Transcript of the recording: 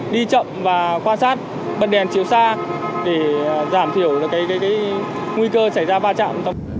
đi chậm và quan sát bật đèn chiều xa để giảm thiểu nguy cơ xảy ra va chạm